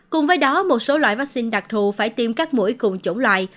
cùng với đó một số loại vaccine đặc thù phải tiêm các mũi cùng chủng loại